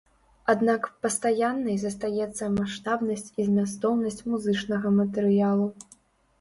Аднак пастаяннай застаецца маштабнасць і змястоўнасць музычнага матэрыялу.